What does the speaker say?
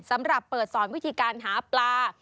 สำหรับเปิดสอนวิธีการหาปลา